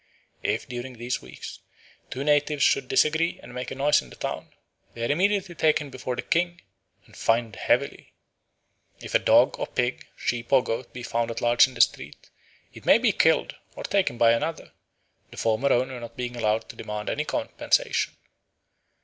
If, during these weeks, two natives should disagree and make a noise in the town, they are immediately taken before the king and fined heavily. If a dog or pig, sheep or goat be found at large in the street, it may be killed, or taken by anyone, the former owner not being allowed to demand any compensation.